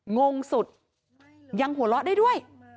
งงสุดยังหัวเราะได้ด้วย